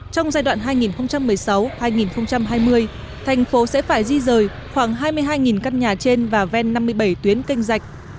trong giai đoạn hai nghìn một mươi sáu hai nghìn hai mươi thành phố sẽ phải di rời khoảng hai mươi hai căn nhà trên và ven năm mươi bảy tuyến canh rạch